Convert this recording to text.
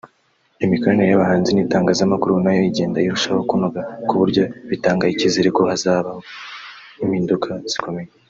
Imikoranire y’abahanzi n’itangazamakuru nayo igenda irushaho kunoga ku buryo bitanga icyizere ko hazaba impinduka zikomeye